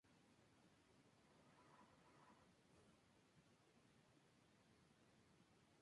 Poco más tarde, trabajó con Amado Vásquez, Agustín Mercier y Rafael Solano.